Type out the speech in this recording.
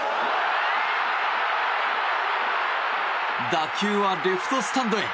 打球はレフトスタンドへ！